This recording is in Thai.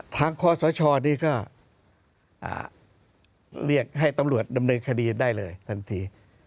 คอสชนี่ก็เรียกให้ตำรวจดำเนินคดีได้เลยทันที